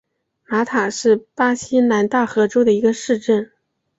马塔是巴西南大河州的一个市镇。